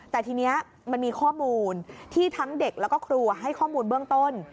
แต่ทีนี้มันมีข้อมูลที่ทั้งเด็กแล้วก็ครัวให้ข้อมูลเบื้องต้น